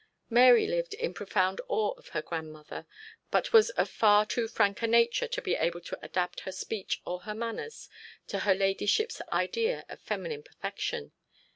Mary lived in profound awe of her grandmother, but was of far too frank a nature to be able to adapt her speech or her manners to her ladyship's idea of feminine perfection.